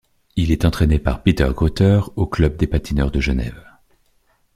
Il est entraîné par Peter Grütter au Club des Patineurs de Genève.